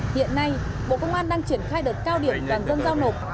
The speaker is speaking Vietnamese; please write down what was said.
hiện nay bộ công an đang triển khai đợt cao điểm toàn dân giao nộp